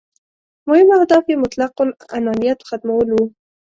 مهم اهداف یې مطلق العنانیت ختمول وو.